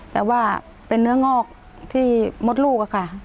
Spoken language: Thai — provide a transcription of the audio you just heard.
แต่ว่าเป็นเนื้องอกที่มดลูกอะค่ะ